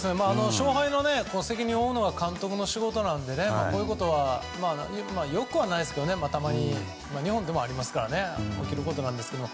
勝敗の責任を負うのは監督の仕事なんですがこういうことはよくはないですけどたまに日本でもありますから起きることなんですけど。